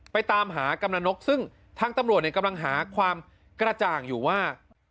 ไปตามหากำนันนกซึ่งทางตำรวจเนี่ยกำลังหาความกระจ่างอยู่ว่า